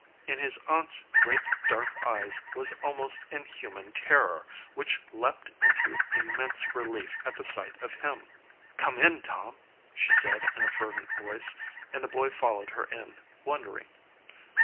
In his aunt s great, dark eyes was al most inhuman terror, which leaped into immense relief at the sight of him. "Come in, Tom," she said in a fervent voice, and the boy followed her in, wondering.